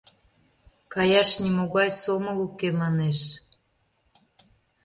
— Каяш нимогай сомыл уке, манеш.